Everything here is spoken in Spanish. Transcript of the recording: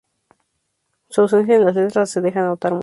Su ausencia en las letras se deja notar mucho.